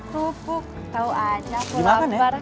tupuk tau aja aku lapar